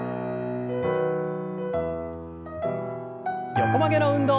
横曲げの運動。